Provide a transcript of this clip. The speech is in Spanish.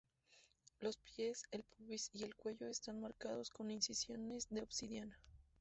Los pies, el pubis y el cuello están marcados con incisiones de obsidiana.